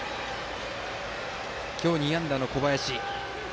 今日、２安打の小林。